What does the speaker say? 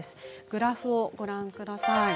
グラフをご覧ください。